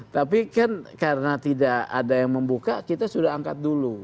tapi kan karena tidak ada yang membuka kita sudah angkat dulu